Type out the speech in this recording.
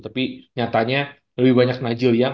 tapi nyatanya lebih banyak najil ya